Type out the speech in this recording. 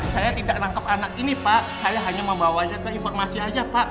saya tidak nangkep anak ini pak saya hanya membawanya ke informasi aja pak